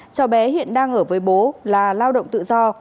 cháu bé hiện đang ở với bố là lao động tự do